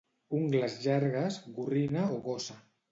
Ungles llargues, gorrina o gossa.